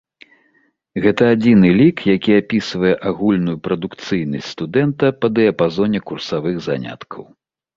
Гэта адзіны лік, які апісвае агульную прадукцыйнасць студэнта па дыяпазоне курсавых заняткаў.